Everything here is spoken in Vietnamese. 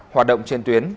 hoạt động trên tuyến